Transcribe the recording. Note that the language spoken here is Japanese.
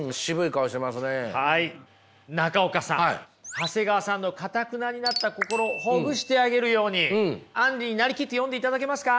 長谷川さんのかたくなになった心をほぐしてあげるようにアンリに成りきって読んでいただけますか？